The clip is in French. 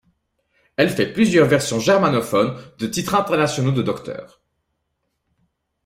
Elle fait plusieurs versions germanophones de titres internationaux de Dr.